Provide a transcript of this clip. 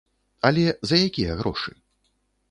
Але за якія грошы?